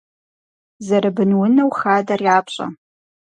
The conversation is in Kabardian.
Зэрыбынунэу хадэр япщӏэ.